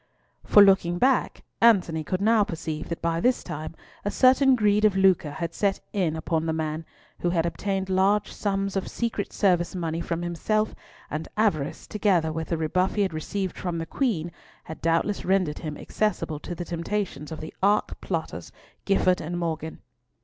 For looking back, Antony could now perceive that by this time a certain greed of lucre had set in upon the man, who had obtained large sums of secret service money from himself; and avarice, together with the rebuff he had received from the Queen, had doubtless rendered him accessible to the temptations of the arch plotters Gifford and Morgan.